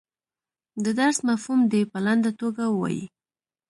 د درس مفهوم دې په لنډه توګه ووایي.